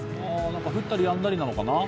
降ったりやんだりなのかな。